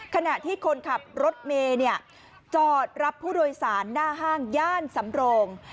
ขณะที่คนขับรถเมย์จอดรับผู้โดยสารหน้าห้างย่านสำโรง